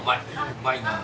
うまいな。